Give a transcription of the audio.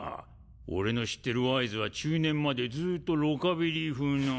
俺の知ってるワイズは中年までずっとロカビリー風の。